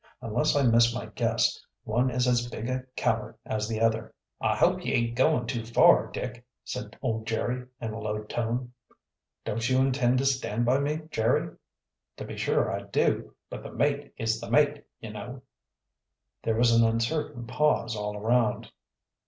Unless I miss my guess, one is as big a coward as the other." "I hope ye aint goin' too far, Dick," said old Jerry, in a low tone. "Don't you intend to stand by me, Jerry?" "To be sure I do; but the mate is the mate, ye know." There was an uncertain pause all around.